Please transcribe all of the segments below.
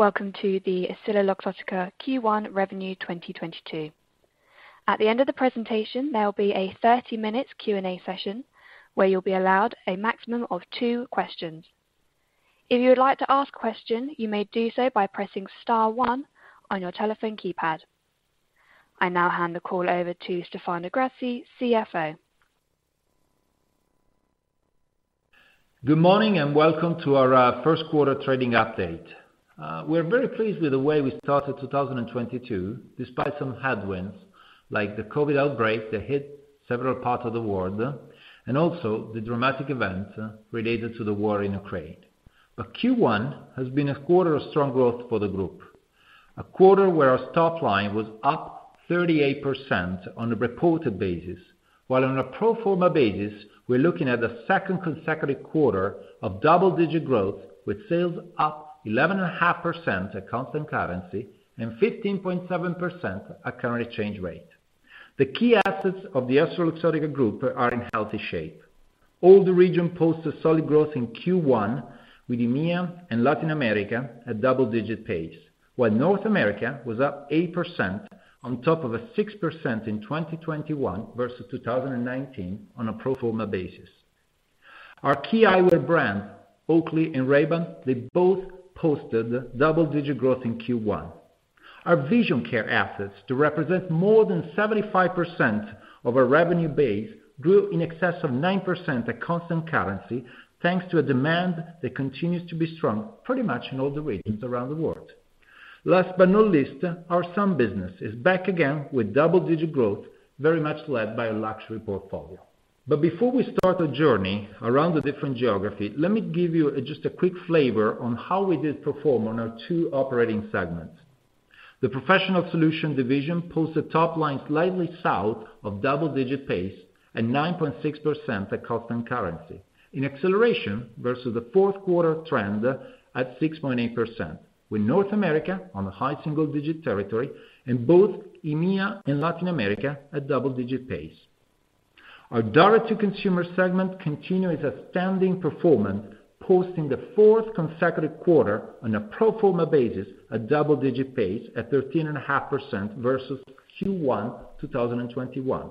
Welcome to the EssilorLuxottica Q1 Revenue 2022. At the end of the presentation, there will be a 30-minute Q&A session where you'll be allowed a maximum of two questions. If you would like to ask a question, you may do so by pressing star one on your telephone keypad. I now hand the call over to Stefano Grassi, CFO. Good morning and welcome to our first quarter trading update. We're very pleased with the way we started 2022 despite some headwinds like the COVID outbreak that hit several parts of the world and also the dramatic event related to the war in Ukraine. Q1 has been a quarter of strong growth for the group. A quarter where our top line was up 38% on a reported basis. While on a pro forma basis, we're looking at the second consecutive quarter of double-digit growth, with sales up 11.5% at constant currency and 15.7% at current exchange rate. The key assets of the EssilorLuxottica group are in healthy shape. All the regions posted solid growth in Q1 with EMEA and Latin America at double-digit pace. While North America was up 8% on top of a 6% in 2021 versus 2019 on a pro forma basis. Our key eyewear brand, Oakley and Ray-Ban, they both posted double-digit growth in Q1. Our vision care assets do represent more than 75% of our revenue base, grew in excess of 9% at constant currency, thanks to a demand that continues to be strong pretty much in all the regions around the world. Last but not least, our sun business is back again with double-digit growth, very much led by a luxury portfolio. Before we start our journey around the different geography, let me give you just a quick flavor on how we did perform on our two operating segments. The Professional Solutions Division posts a top line slightly south of double-digit pace at 9.6% at constant currency. In acceleration versus the fourth quarter trend at 6.8%, with North America on a high single-digit territory and both EMEA and Latin America at double-digit pace. Our direct to consumer segment continue its outstanding performance, posting the fourth consecutive quarter on a pro forma basis at double-digit pace at 13.5% versus Q1 2021.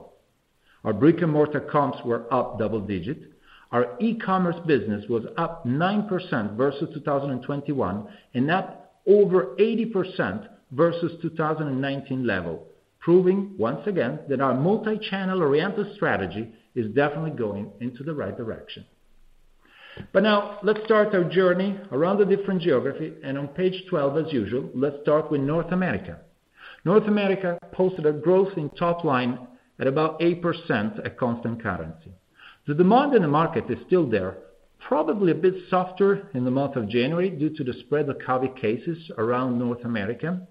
Our brick-and-mortar comps were up double digits. Our e-commerce business was up 9% versus 2021 and up over 80% versus 2019 level, proving once again that our multi-channel oriented strategy is definitely going into the right direction. Now let's start our journey around the different geography, and on page 12 as usual, let's start with North America. North America posted a growth in top line at about 8% at constant currency. The demand in the market is still there, probably a bit softer in the month of January due to the spread of COVID cases around North America.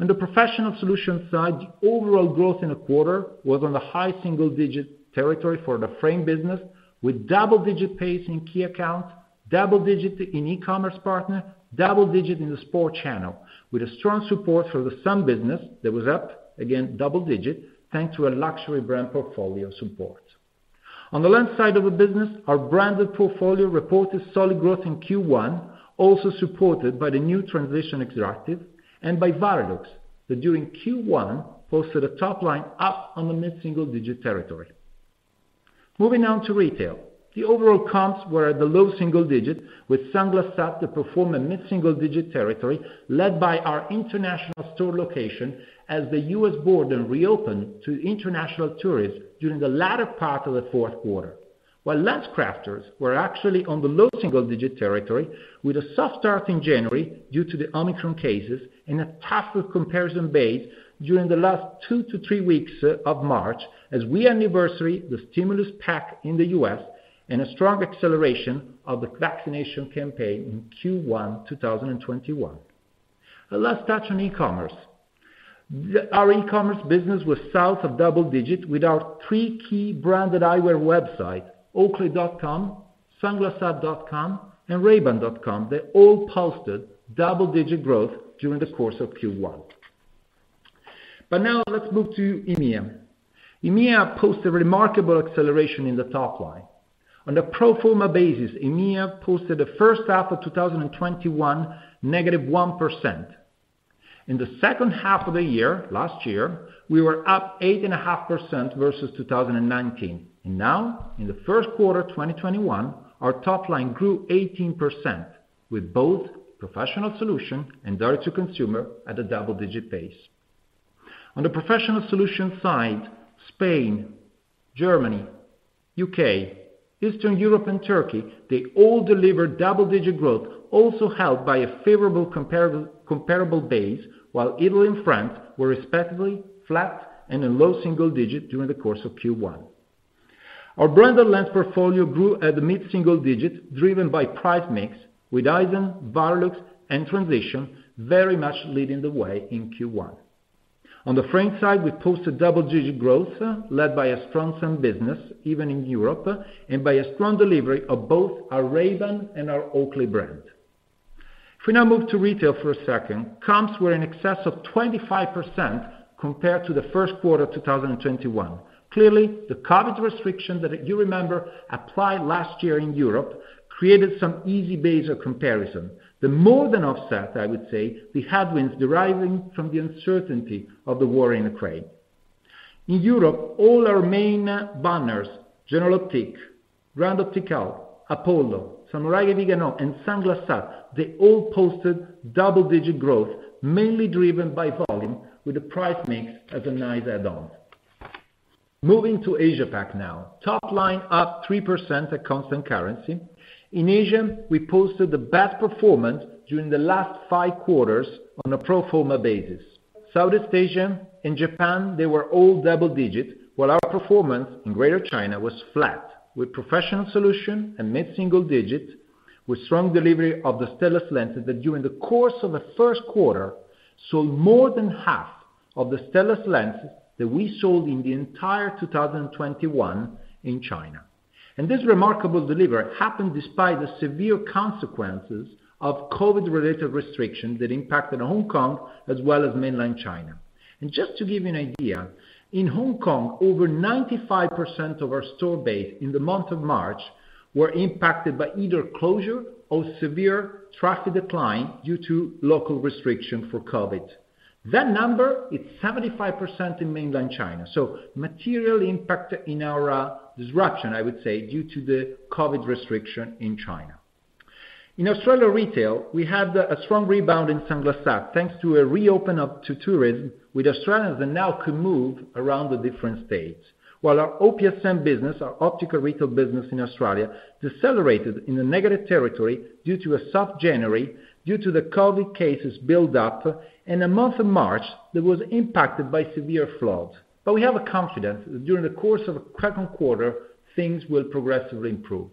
On the professional solution side, the overall growth in the quarter was on the high single-digit territory for the frame business with double-digit pace in key accounts, double-digit in e-commerce partner, double-digit in the sport channel with a strong support for the sun business that was up, again, double-digit, thanks to a luxury brand portfolio support. On the lens side of the business, our branded portfolio reported solid growth in Q1, also supported by the new Transitions XTRActive and by Varilux, that during Q1 posted a top line up on the mid-single-digit territory. Moving on to retail. The overall comps were at the low single-digit with Sunglass Hut performing in the mid-single-digit territory led by our international store locations as the U.S. border reopened to international tourists during the latter part of the fourth quarter. LensCrafters was actually on the low single-digit territory with a soft start in January due to the Omicron cases and a tougher comparison base during the last two to three weeks of March as we anniversary the stimulus package in the U.S. and a strong acceleration of the vaccination campaign in Q1 2021. Let's touch on e-commerce. Our e-commerce business was south of double-digit with our three key branded eyewear websites, oakley.com, sunglasshut.com, and rayban.com. They all posted double-digit growth during the course of Q1. Now let's move to EMEA. EMEA posted a remarkable acceleration in the top line. On a pro forma basis, EMEA posted the first half of 2021 -1%. In the second half of the year, last year, we were up 8.5% versus 2019. Now in the first quarter of 2021, our top line grew 18% with both professional solution and direct to consumer at a double-digit pace. On the professional solution side, Spain, Germany, U.K., Eastern Europe, and Turkey, they all delivered double-digit growth, also helped by a favorable comparable base, while Italy and France were respectively flat and in low single-digit during the course of Q1. Our branded lens portfolio grew at the mid-single-digit, driven by price mix with Essilor, Varilux, and Transitions very much leading the way in Q1. On the frame side, we posted double-digit growth led by a strong sun business, even in Europe, and by a strong delivery of both our Ray-Ban and our Oakley brand. If we now move to retail for a second, comps were in excess of 25% compared to the first quarter of 2021. Clearly, the COVID restriction that you remember applied last year in Europe created some easy base of comparison. This more than offset, I would say, the headwinds deriving from the uncertainty of the war in Ukraine. In Europe, all our main banners, Générale d'Optique, GrandOptical, Apollo, Salmoiraghi & Viganò, and Sunglass Hut, they all posted double-digit growth, mainly driven by volume with the price mix as a nice add-on. Moving to Asia Pac now. Top line up 3% at constant currency. In Asia, we posted the best performance during the last 5 quarters on a pro forma basis. Southeast Asia and Japan, they were all double-digit, while our performance in Greater China was flat, with Professional Solutions in mid-single-digit, with strong delivery of the Stellest lenses that we during the course of the first quarter sold more than half of the Stellest lenses that we sold in the entire 2021 in China. This remarkable delivery happened despite the severe consequences of COVID-related restrictions that impacted Hong Kong as well as mainland China. Just to give you an idea, in Hong Kong, over 95% of our store base in the month of March were impacted by either closure or severe traffic decline due to local restriction for COVID. That number is 75% in mainland China. Material impact in our disruption, I would say, due to the COVID restriction in China. In Australia retail, we had a strong rebound in Sunglass Hut, thanks to a reopen up to tourism with Australians that now can move around the different states. While our OPSM business, our optical retail business in Australia, decelerated in the negative territory due to a soft January, due to the COVID cases build up in the month of March, that was impacted by severe floods. We have a confidence that during the course of a second quarter, things will progressively improve.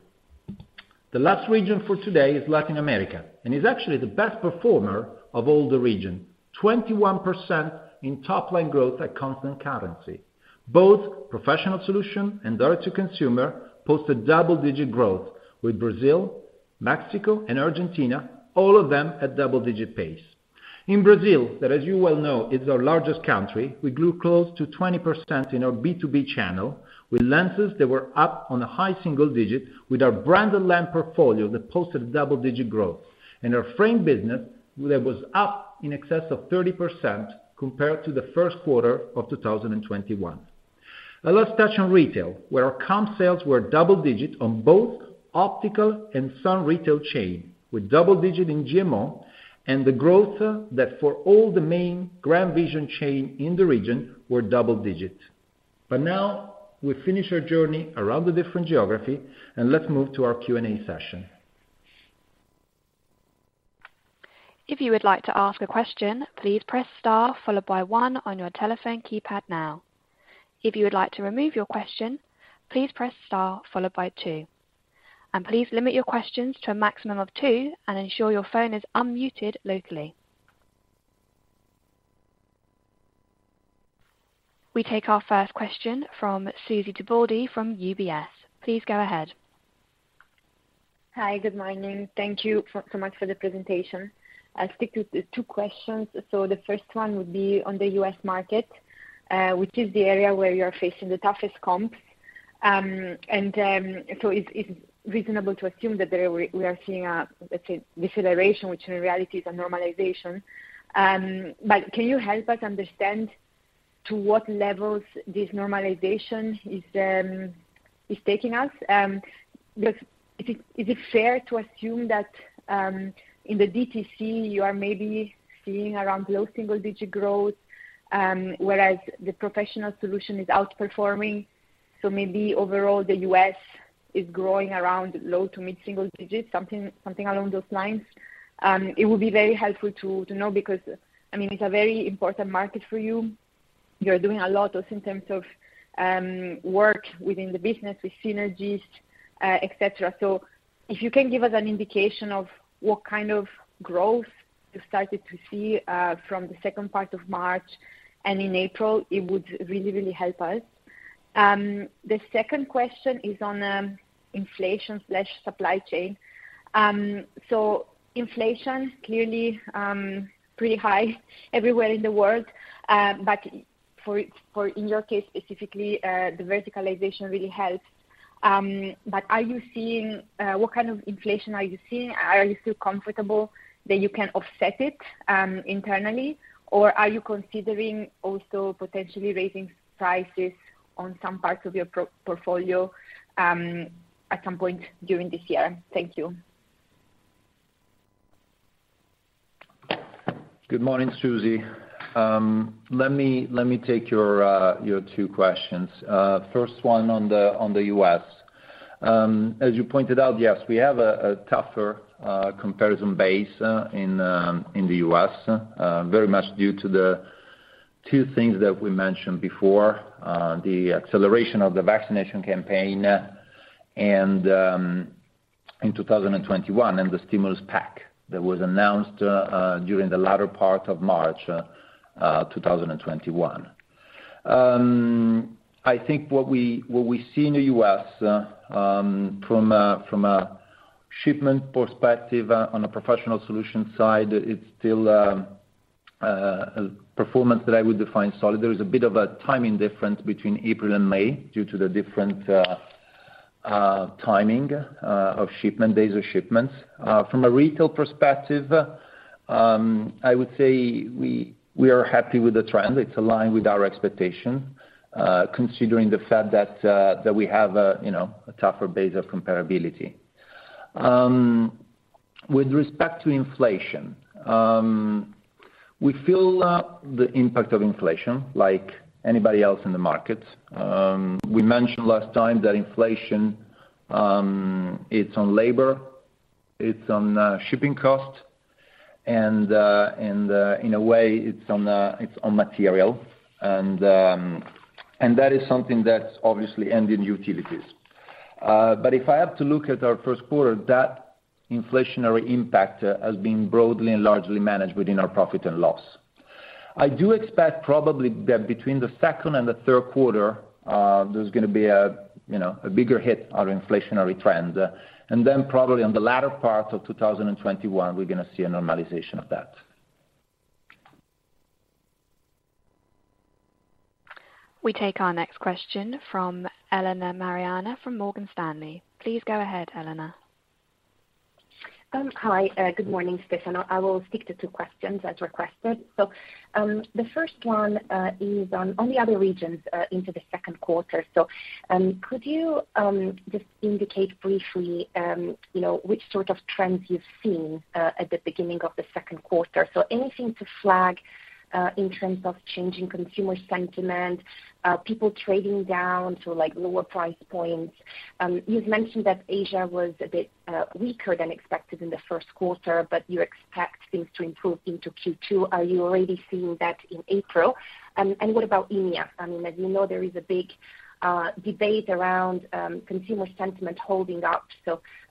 The last region for today is Latin America, and is actually the best performer of all the region. 21% in top line growth at constant currency. Both professional solution and direct to consumer posted double digit growth with Brazil, Mexico and Argentina, all of them at double digit pace. In Brazil, that, as you well know, is our largest country. We grew close to 20% in our B2B channel with lenses that were up in a high single-digit with our branded lens portfolio that posted double-digit growth. Our frame business that was up in excess of 30% compared to the first quarter of 2021. Now let's touch on retail, where our comp sales were double-digit on both optical and sun retail chain, with double-digit in GMO and the growth that for all the main GrandVision chain in the region were double-digit. Now we finish our journey around the different geography and let's move to our Q&A session. If you would like to ask a question, please press star followed by one on your telephone keypad now. If you would like to remove your question, please press star followed by two. Please limit your questions to a maximum of two and ensure your phone is unmuted locally. We take our first question from Susy Tibaldi from UBS. Please go ahead. Hi. Good morning. Thank you so much for the presentation. I'll stick to two questions. The first one would be on the U.S. market, which is the area where you're facing the toughest comps. It's reasonable to assume that we are seeing a, let's say, deceleration, which in reality is a normalization. But can you help us understand to what levels this normalization is taking us? Is it fair to assume that in the DTC you are maybe seeing around low single-digit growth, whereas the Professional Solutions is outperforming, so maybe overall the U.S. is growing around low- to mid-single digits, something along those lines? It would be very helpful to know because, I mean, it's a very important market for you. You're doing a lot of work within the business with synergies, et cetera. If you can give us an indication of what kind of growth you started to see from the second part of March and in April, it would really, really help us. The second question is on inflation, supply chain. Inflation clearly pretty high everywhere in the world. But in your case specifically, the verticalization really helps. But are you seeing what kind of inflation are you seeing? Are you still comfortable that you can offset it internally? Or are you considering also potentially raising prices on some parts of your portfolio at some point during this year? Thank you. Good morning, Susy. Let me take your two questions. First one on the U.S. As you pointed out, yes, we have a tougher comparison base in the U.S., very much due to the two things that we mentioned before, the acceleration of the vaccination campaign and in 2021, and the stimulus pack that was announced during the latter part of March 2021. I think what we see in the U.S., from a shipment perspective on a professional solution side, it's still a performance that I would define solid. There is a bit of a timing difference between April and May due to the different timing of shipment days of shipments. From a retail perspective, I would say we are happy with the trend. It's aligned with our expectation, considering the fact that we have, you know, a tougher base of comparability. With respect to inflation, we feel the impact of inflation like anybody else in the market. We mentioned last time that inflation, it's on labor, it's on shipping costs, and in a way it's on material, and that is something that's obviously and then in utilities. If I have to look at our first quarter, that inflationary impact has been broadly and largely managed within our profit and loss. I do expect probably that between the second and the third quarter, there's gonna be, you know, a bigger hit on inflationary trends. Probably on the latter part of 2021, we're gonna see a normalization of that. We take our next question from Elena Mariani from Morgan Stanley. Please go ahead, Elena. Hi. Good morning, Stefano. I will stick to two questions as requested. The first one is on the other regions into the second quarter. Could you just indicate briefly, you know, which sort of trends you've seen at the beginning of the second quarter? Anything to flag in terms of changing consumer sentiment, people trading down to, like, lower price points. You've mentioned that Asia was a bit weaker than expected in the first quarter, but you expect things to improve into Q2. Are you already seeing that in April? What about EMEA? I mean, as you know, there is a big debate around consumer sentiment holding up.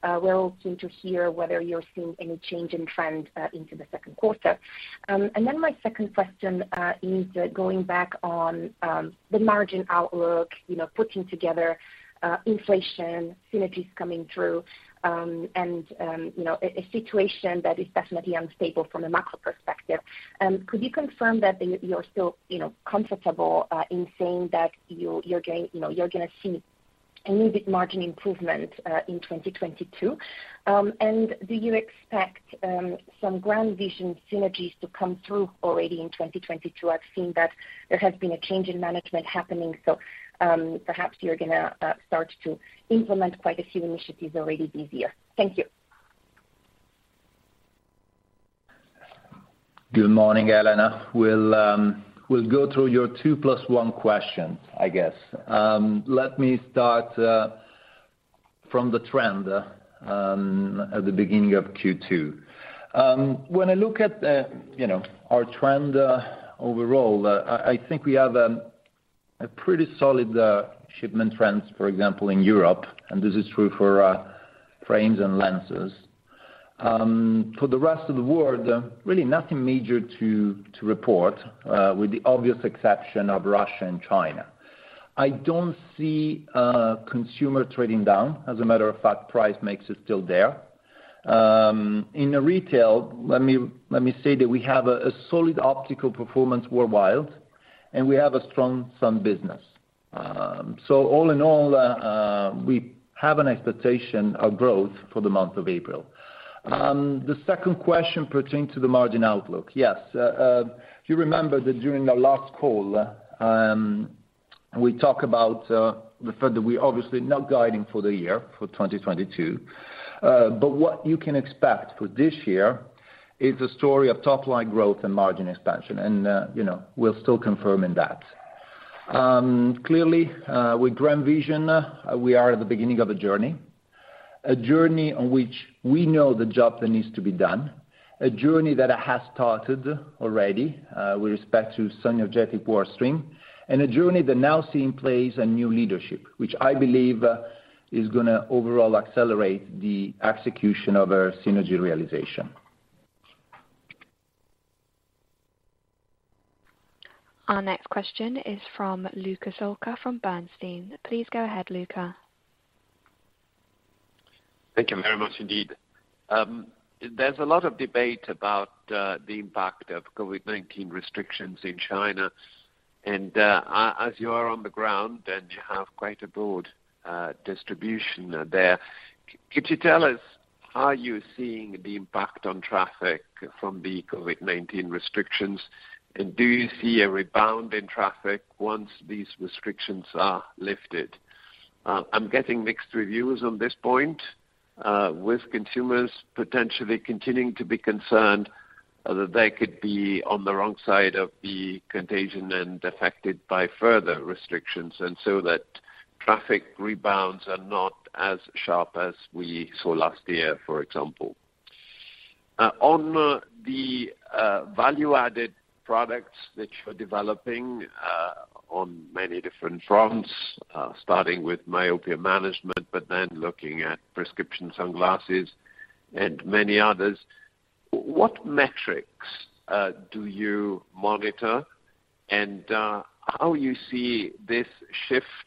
We're all keen to hear whether you're seeing any change in trend into the second quarter. My second question is going back on the margin outlook, you know, putting together inflation synergies coming through, and you know, a situation that is definitely unstable from a macro perspective. Could you confirm that you're still, you know, comfortable in saying that you're gonna see a little bit margin improvement in 2022? And do you expect some GrandVision synergies to come through already in 2022? I've seen that there has been a change in management happening, so perhaps you're gonna start to implement quite a few initiatives already this year. Thank you. Good morning, Elena. We'll go through your two plus one questions, I guess. Let me start from the trend at the beginning of Q2. When I look at you know, our trend overall, I think we have a pretty solid shipment trends, for example, in Europe, and this is true for frames and lenses. For the rest of the world, really nothing major to report with the obvious exception of Russia and China. I don't see consumer trading down. As a matter of fact, price mix is still there. In the retail, let me say that we have a solid optical performance worldwide, and we have a strong sun business. All in all, we have an expectation of growth for the month of April. The second question pertaining to the margin outlook. Yes. If you remember that during our last call, we talk about the fact that we're obviously not guiding for the year, for 2022. What you can expect for this year is a story of top-line growth and margin expansion, and you know, we're still confirming that. Clearly, with GrandVision, we are at the beginning of a journey. A journey on which we know the job that needs to be done, a journey that has started already with respect to synergetic work stream, and a journey that now sees in place a new leadership, which I believe is gonna overall accelerate the execution of our synergy realization. Our next question is from Luca Solca from Bernstein. Please go ahead, Luca. Thank you very much indeed. There's a lot of debate about the impact of COVID-19 restrictions in China. As you are on the ground, and you have quite a broad distribution there, could you tell us how you're seeing the impact on traffic from the COVID-19 restrictions? Do you see a rebound in traffic once these restrictions are lifted? I'm getting mixed reviews on this point, with consumers potentially continuing to be concerned that they could be on the wrong side of the contagion and affected by further restrictions, so that traffic rebounds are not as sharp as we saw last year, for example. On the value-added products which you're developing on many different fronts, starting with myopia management, but then looking at prescription sunglasses and many others, what metrics do you monitor? How you see this shift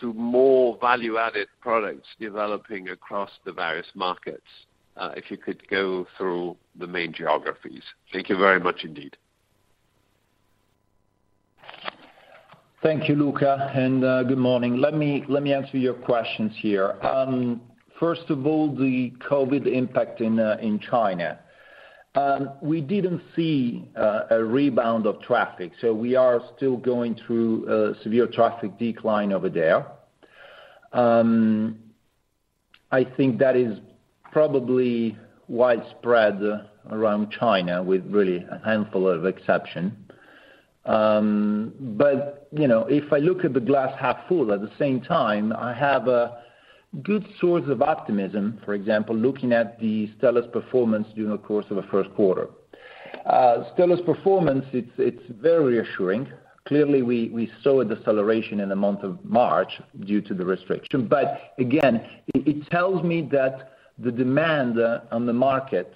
to more value-added products developing across the various markets? If you could go through the main geographies. Thank you very much indeed. Thank you, Luca, and good morning. Let me answer your questions here. First of all, the COVID impact in China. We didn't see a rebound of traffic, so we are still going through a severe traffic decline over there. I think that is probably widespread around China with really a handful of exception. You know, if I look at the glass half full, at the same time, I have a good source of optimism, for example, looking at the Stellest performance during the course of the first quarter. Stellest performance, it's very reassuring. Clearly, we saw a deceleration in the month of March due to the restriction. Again, it tells me that the demand on the market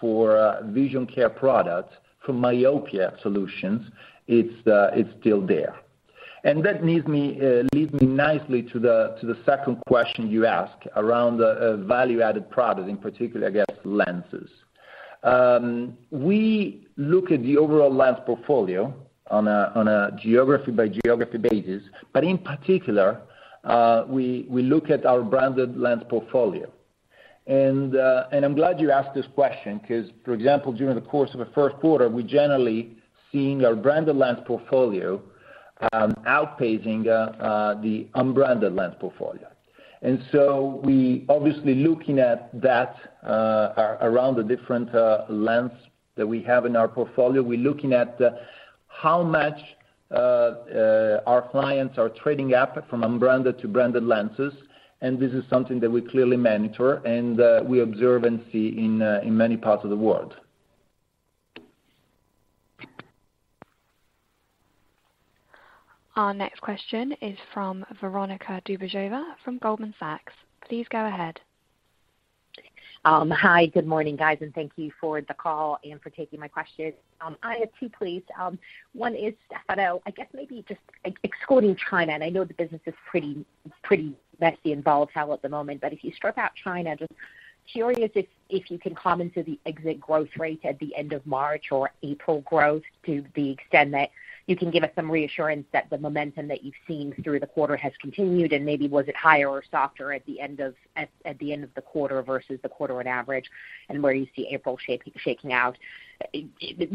for vision care products, for myopia solutions, it's still there. That leads me nicely to the second question you ask around value-added products, in particular, I guess, lenses. We look at the overall lens portfolio on a geography by geography basis, but in particular, we look at our branded lens portfolio. I'm glad you asked this question, because, for example, during the course of the first quarter, we're generally seeing our branded lens portfolio outpacing the unbranded lens portfolio. We obviously looking at that around the different lens that we have in our portfolio. We're looking at how much our clients are trading up from unbranded to branded lenses, and this is something that we clearly monitor, and we observe and see in many parts of the world. Our next question is from Veronika Dubajova from Goldman Sachs. Please go ahead. Hi, good morning, guys, and thank you for the call and for taking my questions. I have two, please. One is, Stefano, I guess maybe just excluding China, and I know the business is pretty messy and volatile at the moment, but if you strip out China, just curious if you can comment on the exit growth rate at the end of March or April growth to the extent that you can give us some reassurance that the momentum that you've seen through the quarter has continued, and maybe was it higher or softer at the end of the quarter versus the quarter on average, and where you see April shaking out?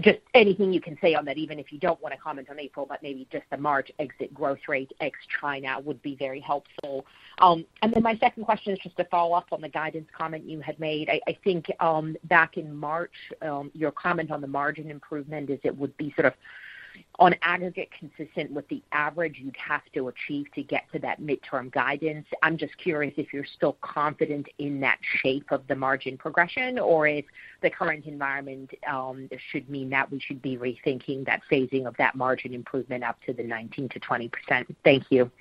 Just anything you can say on that, even if you don't wanna comment on April, but maybe just the March exit growth rate ex China would be very helpful. And then my second question is just a follow-up on the guidance comment you had made. I think back in March your comment on the margin improvement was, it would be sort of on aggregate consistent with the average you'd have to achieve to get to that midterm guidance. I'm just curious if you're still confident in that shape of the margin progression, or if the current environment should mean that we should be rethinking that phasing of that margin improvement up to the 19%-20%. Thank you.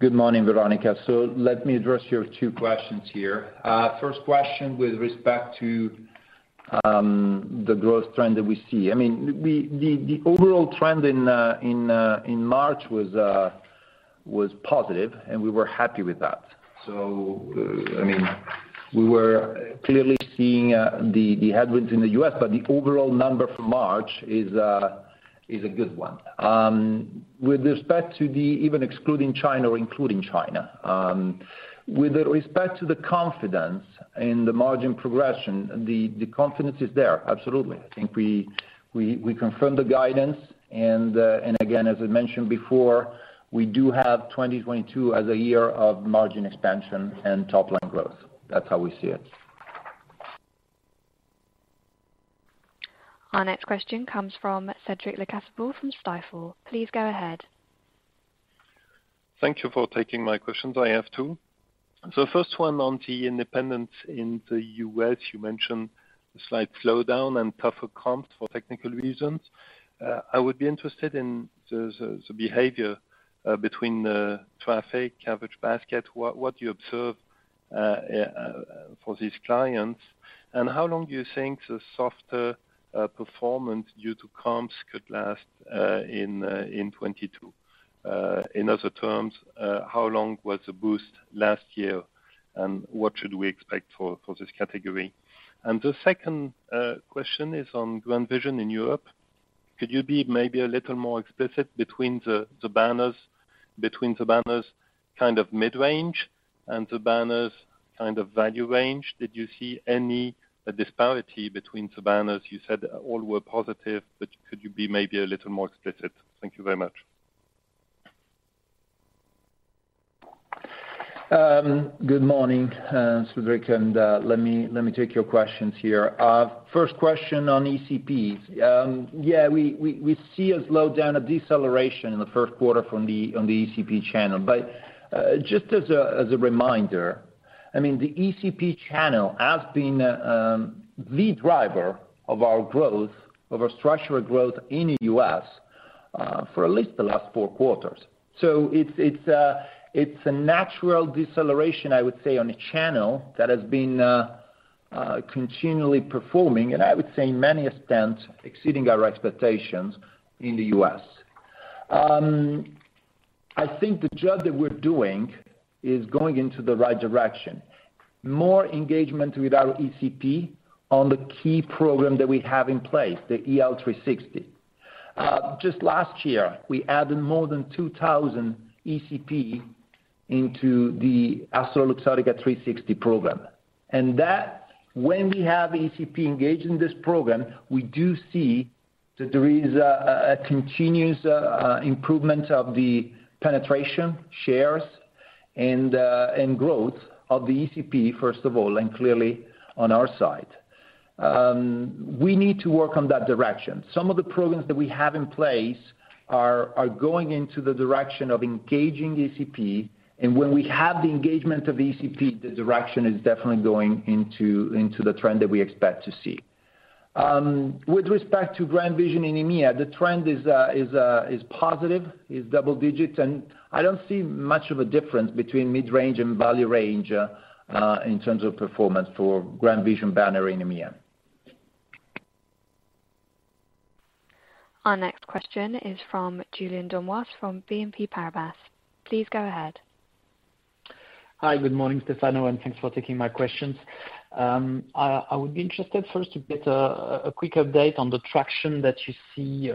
Good morning, Veronika. Let me address your two questions here. First question with respect to the growth trend that we see. I mean, the overall trend in March was positive, and we were happy with that. I mean, we were clearly seeing the headwinds in the U.S., but the overall number for March is a good one. With respect to even excluding China or including China, with respect to the confidence in the margin progression, the confidence is there, absolutely. I think we confirm the guidance and again, as I mentioned before, we do have 2022 as a year of margin expansion and top-line growth. That's how we see it. Our next question comes from Cedric Lecasble from Stifel. Please go ahead. Thank you for taking my questions. I have two. First one on the independents in the U.S., you mentioned a slight slowdown and tougher comps for technical reasons. I would be interested in the behavior between traffic, average basket, what you observe for these clients, and how long do you think the softer performance due to comps could last in 2022? In other terms, how long was the boost last year, and what should we expect for this category? The second question is on GrandVision in Europe. Could you be maybe a little more explicit between the banners kind of mid-range and the banners kind of value range? Did you see any disparity between the banners? You said all were positive, but could you be maybe a little more explicit? Thank you very much. Good morning, Cedric, and let me take your questions here. First question on ECPs. Yeah, we see a slowdown, a deceleration in the first quarter on the ECP channel. Just as a reminder, I mean, the ECP channel has been the driver of our growth, of our structural growth in the U.S., for at least the last four quarters. It's a natural deceleration, I would say, on a channel that has been continually performing, and I would say in many respects, exceeding our expectations in the U.S. I think the job that we're doing is going in the right direction. More engagement with our ECP on the key program that we have in place, the EL 360. Just last year, we added more than 2,000 ECP into the EssilorLuxottica 360 program. That, when we have ECP engaged in this program, we do see that there is a continuous improvement of the penetration shares and growth of the ECP, first of all, and clearly on our side. We need to work on that direction. Some of the programs that we have in place are going into the direction of engaging ECP, and when we have the engagement of ECP, the direction is definitely going into the trend that we expect to see. With respect to GrandVision in EMEA, the trend is positive, is double digits, and I don't see much of a difference between mid-range and value range in terms of performance for GrandVision banner in EMEA. Our next question is from Julien Dormois from BNP Paribas. Please go ahead. Hi, good morning, Stefano, and thanks for taking my questions. I would be interested first to get a quick update on the traction that you see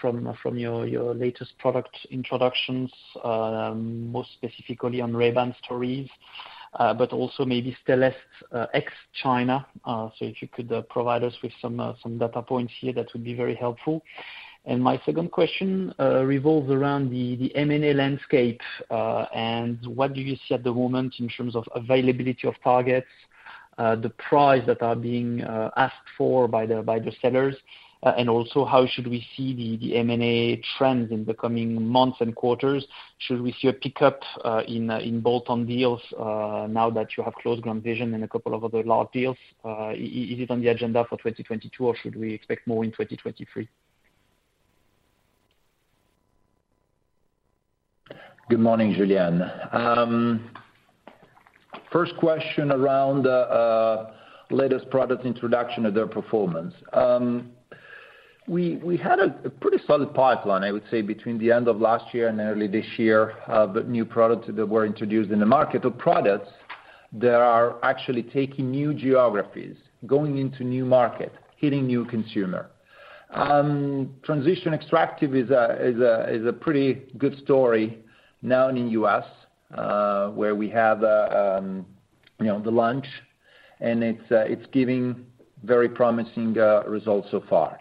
from your latest product introductions, more specifically on Ray-Ban Stories, but also maybe Stellest, ex China. So if you could provide us with some data points here, that would be very helpful. My second question revolves around the M&A landscape, and what do you see at the moment in terms of availability of targets, the price that are being asked for by the sellers, and also how should we see the M&A trends in the coming months and quarters. Should we see a pickup in bolt-on deals now that you have closed GrandVision and a couple of other large deals? Is it on the agenda for 2022, or should we expect more in 2023? Good morning, Julien. First question around latest product introduction and their performance. We had a pretty solid pipeline, I would say, between the end of last year and early this year of new products that were introduced in the market of products that are actually taking new geographies, going into new market, hitting new consumer. Transitions XTRActive is a pretty good story now in the U.S., where we have the launch, and it's giving very promising results so far.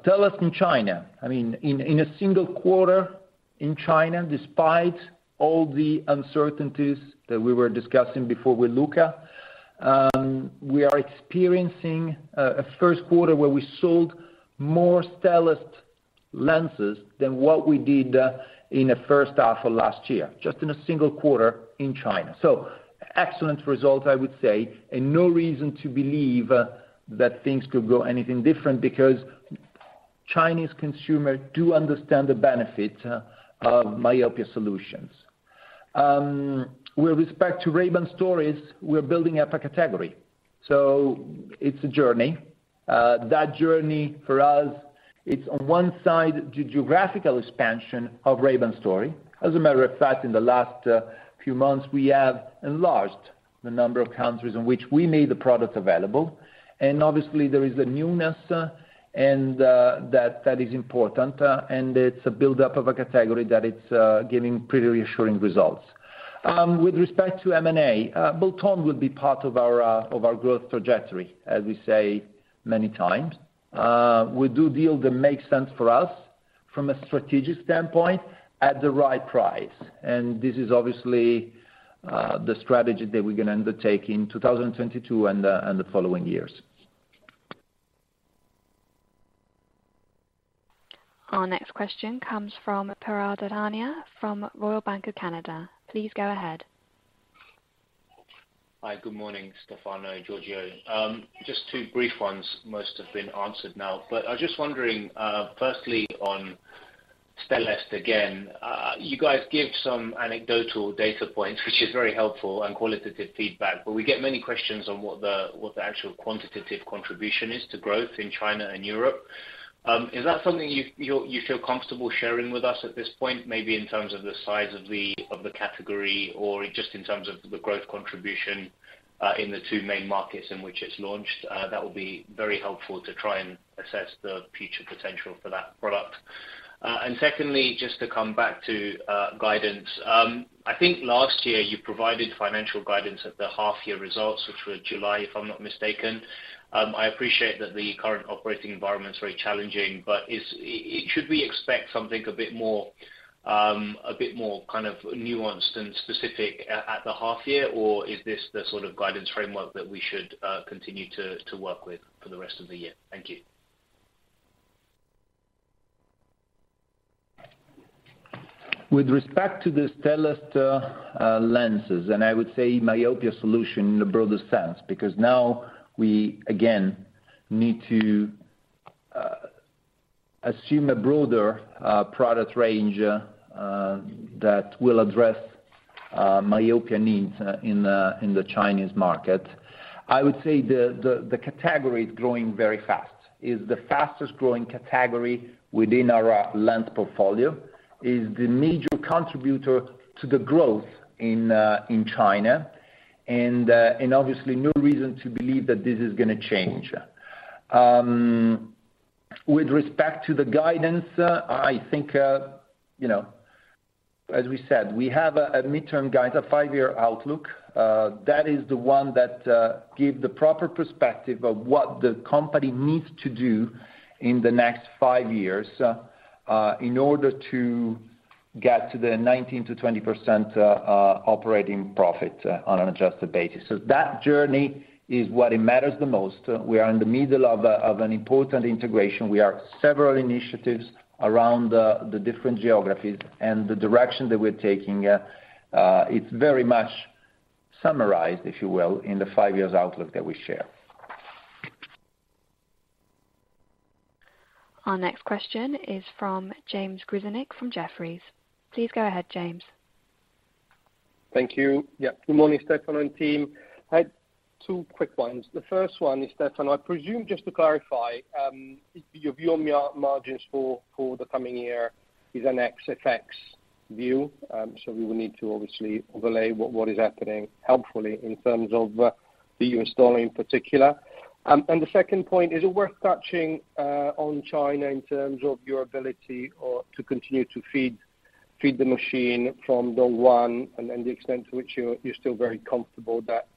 Stellest in China, I mean, in a single quarter in China, despite all the uncertainties that we were discussing before with Luca, we are experiencing a first quarter where we sold more Stellest lenses than what we did in the first half of last year, just in a single quarter in China. Excellent result, I would say, and no reason to believe that things could go anything different because Chinese consumers do understand the benefit of myopia solutions. With respect to Ray-Ban Stories, we're building up a category. It's a journey. That journey for us, it's on one side, the geographical expansion of Ray-Ban Stories. As a matter of fact, in the last few months, we have enlarged the number of countries in which we made the product available. Obviously, there is a newness and that is important, and it's a build-up of a category that it's giving pretty reassuring results. With respect to M&A, bolt-on will be part of our growth trajectory, as we say many times. We do deals that make sense for us from a strategic standpoint at the right price. This is obviously the strategy that we're gonna undertake in 2022 and the following years. Our next question comes from Piral Dadhania from Royal Bank of Canada. Please go ahead. Hi. Good morning, Stefano, Giorgio. Just two brief ones. Most have been answered now, but I was just wondering, firstly on Stellest again. You guys give some anecdotal data points, which is very helpful and qualitative feedback, but we get many questions on what the actual quantitative contribution is to growth in China and Europe. Is that something you feel comfortable sharing with us at this point, maybe in terms of the size of the category or just in terms of the growth contribution, in the two main markets in which it's launched? That would be very helpful to try and assess the future potential for that product. Secondly, just to come back to guidance, I think last year you provided financial guidance at the half year results, which were in July, if I'm not mistaken. I appreciate that the current operating environment is very challenging, but should we expect something a bit more, a bit more kind of nuanced and specific at the half year, or is this the sort of guidance framework that we should continue to work with for the rest of the year? Thank you. With respect to the Stellest lenses, and I would say myopia solution in a broader sense, because now we again need to assume a broader product range that will address myopia needs in the Chinese market. I would say the category is growing very fast. It is the fastest growing category within our lens portfolio. It is the major contributor to the growth in China, and obviously no reason to believe that this is gonna change. With respect to the guidance, I think you know, as we said, we have a midterm guide, a five-year outlook. That is the one that give the proper perspective of what the company needs to do in the next five years in order to get to the 19%-20% operating profit on an adjusted basis. That journey is what it matters the most. We are in the middle of an important integration. We have several initiatives around the different geographies and the direction that we're taking. It's very much summarized, if you will, in the five-year outlook that we share. Our next question is from James Grzinic from Jefferies. Please go ahead, James. Thank you. Yeah, good morning, Stefano and team. I had two quick ones. The first one is, Stefano, I presume, just to clarify, your view on your margins for the coming year is an ex-FX view, so we would need to obviously overlay what is happening hopefully in terms of the U.S. dollar in particular. The second point, is it worth touching on China in terms of your ability to continue to feed the machine from day one and then the extent to which you're still very comfortable that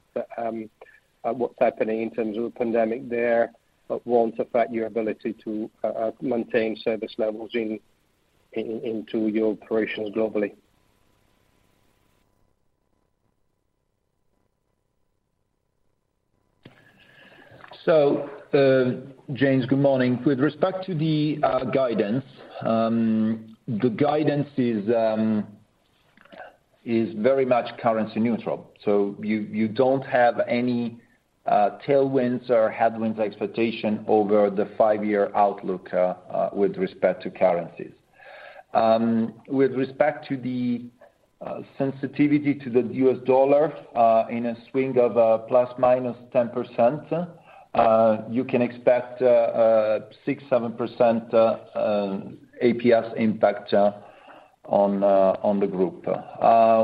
what's happening in terms of the pandemic there won't affect your ability to maintain service levels into your operations globally? James, good morning. With respect to the guidance, the guidance is very much currency neutral. You don't have any tailwinds or headwinds expectation over the five-year outlook with respect to currencies. With respect to the sensitivity to the U.S. dollar, in a swing of plus minus 10%, you can expect 6%-7% EPS impact on the group.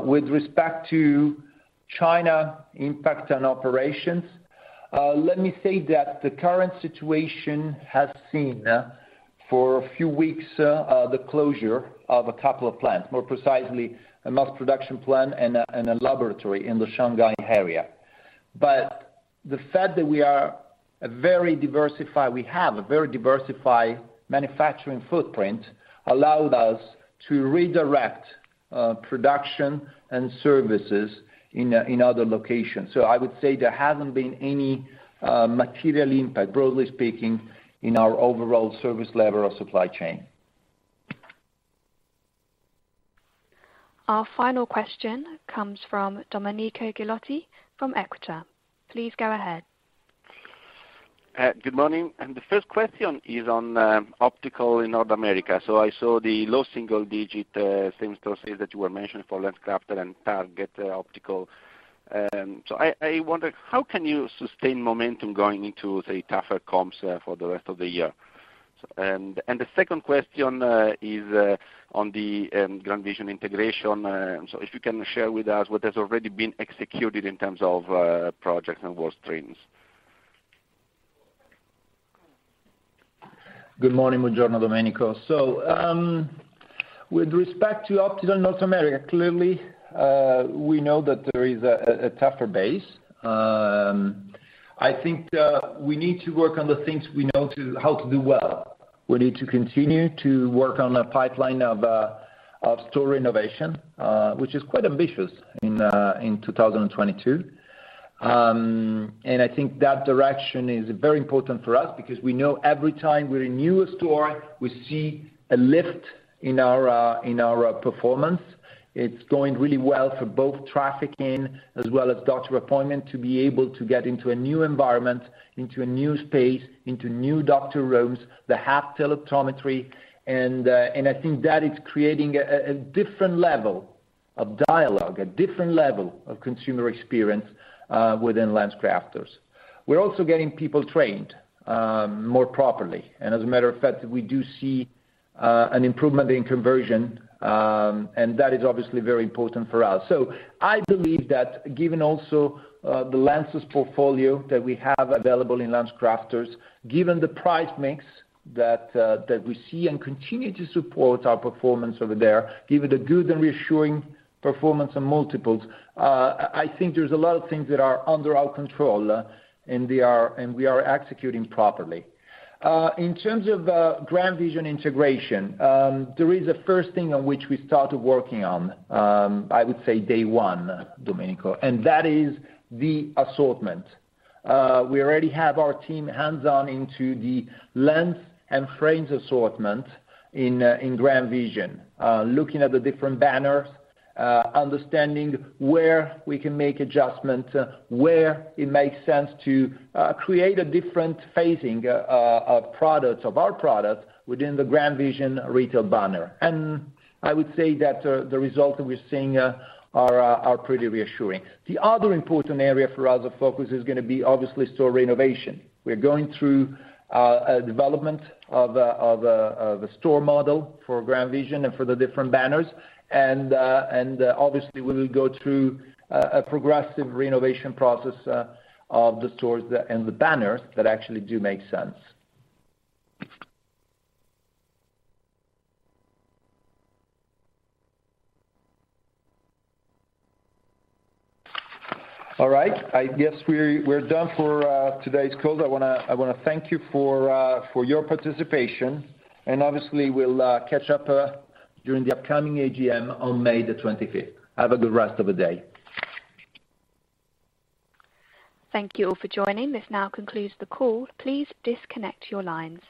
With respect to China impact on operations, let me say that the current situation has seen for a few weeks the closure of a couple of plants, more precisely a mass production plant and a laboratory in the Shanghai area. The fact that we have a very diversified manufacturing footprint allowed us to redirect production and services in other locations. I would say there hasn't been any material impact, broadly speaking, in our overall service level or supply chain. Our final question comes from Domenico Ghilotti from Equita. Please go ahead. Good morning. The first question is on optical in North America. I saw the low single digit same store sales that you were mentioning for LensCrafters and Target Optical. I wonder how you can sustain momentum going into, say, tougher comps for the rest of the year. The second question is on the GrandVision integration. If you can share with us what has already been executed in terms of projects and work streams. Good morning. Buongiorno, Domenico. With respect to optical North America, clearly, we know that there is a tougher base. I think we need to work on the things we know how to do well. We need to continue to work on a pipeline of store innovation, which is quite ambitious in 2022. I think that direction is very important for us because we know every time we renew a store, we see a lift in our performance. It's going really well for both traffic in as well as doctor appointment to be able to get into a new environment, into a new space, into new doctor rooms that have teleoptometry. I think that is creating a different level of dialogue, a different level of consumer experience within LensCrafters. We're also getting people trained more properly. As a matter of fact, we do see an improvement in conversion, and that is obviously very important for us. I believe that given also the lenses portfolio that we have available in LensCrafters, given the price mix that we see and continue to support our performance over there, given the good and reassuring performance and multiples, I think there's a lot of things that are under our control, and we are executing properly. In terms of GrandVision integration, there is a first thing on which we started working on. I would say day one, Domenico, and that is the assortment. We already have our team hands-on into the lens and frames assortment in GrandVision. Looking at the different banners, understanding where we can make adjustments, where it makes sense to create a different phasing of products, of our products within the GrandVision retail banner. I would say that the result that we're seeing are pretty reassuring. The other important area for us to focus is gonna be obviously store renovation. We're going through a development of a store model for GrandVision and for the different banners. Obviously, we will go through a progressive renovation process of the stores that and the banners that actually do make sense. All right. I guess we're done for today's call. I wanna thank you for your participation, and obviously, we'll catch up during the upcoming AGM on May 25. Have a good rest of the day. Thank you all for joining. This now concludes the call. Please disconnect your lines.